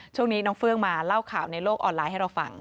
ช่วงนี้น้องเฟื่องมาเล่าข่าวในโลกออนไลน์ให้เราฟัง